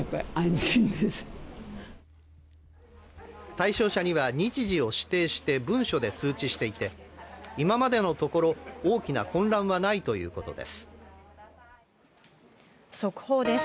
対象者には日時を指定して文書で通知していて、今までのところ大きな混乱はないということです。